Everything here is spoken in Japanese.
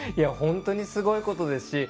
本当にすごいことですし。